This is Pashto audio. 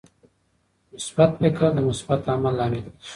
مثبت فکر د مثبت عمل لامل کیږي.